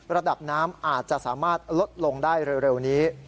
ระดับน้ำอาจจะสามารถลดลงได้เร็วนี้